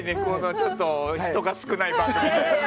ちょっと人が少ない番組で。